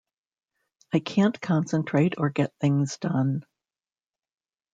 I can't concentrate or get things done.